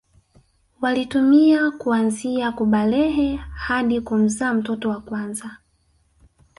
Walitumia kuanzia kubalehe hadi kumzaa mtoto wa kwanza